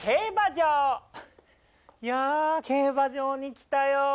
いや競馬場に来たよ。